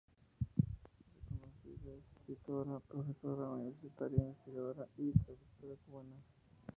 Reconocida escritora, profesora universitaria, investigadora y traductora cubana.